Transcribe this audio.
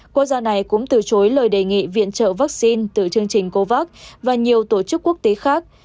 quốc gia này cũng từ chối lời đề nghị viện trợ vaccine từ chương trình covax và nhiều tổ chức quốc tế khác